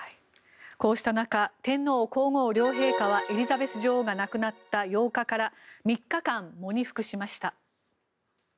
こうした中天皇・皇后両陛下はエリザベス女王が亡くなった８日から３日間喪に服しました。